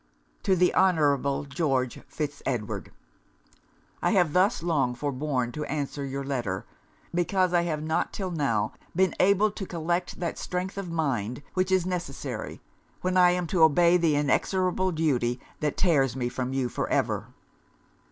'To the Honourable George Fitz Edward. 'I have thus long forborne to answer your letter, because I have not 'till now been able to collect that strength of mind which is necessary, when I am to obey the inexorable duty that tears me from you for ever!